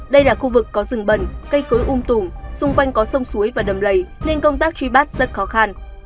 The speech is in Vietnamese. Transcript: đây là khu vực có rừng bẩn cây cối um tùm xung quanh có sông suối và đầm lầy nên công tác truy bắt rất khó khăn